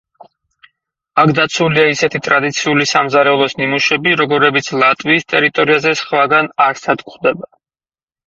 აქ დაცულია ისეთი ტრადიციული სამზარეულოს ნიმუშები, როგორებიც ლატვიის ტერიტორიაზე სხვაგან არსად გვხვდება.